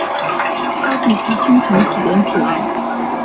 她必须清晨四点起来